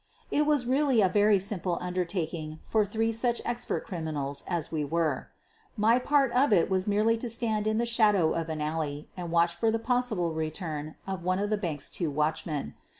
It was really a very simple undertaking for three such expert criminals as we were. My part of it was merely to stand in the shadow of an alley and watch for the possible return of one of the bank's two watchmen.